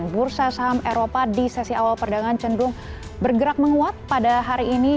bursa saham eropa di sesi awal perdagangan cenderung bergerak menguat pada hari ini